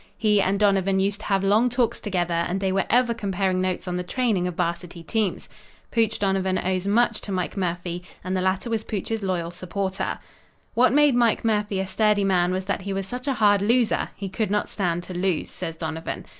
He and Donovan used to have long talks together and they were ever comparing notes on the training of varsity teams. Pooch Donovan owes much to Mike Murphy, and the latter was Pooch's loyal supporter. "What made Mike Murphy a sturdy man, was that he was such a hard loser he could not stand to lose," says Donovan.